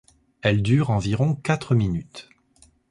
Elle dure environ quatre minutes.